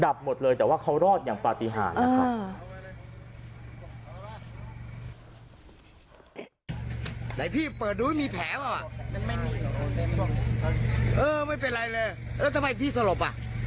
หมดเลยแต่ว่าเขารอดอย่างปฏิหารนะครับ